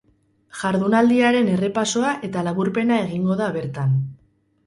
Jardunaldiaren errepasoa eta laburpena egingo da bertan.